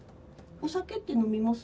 お酒って飲みます？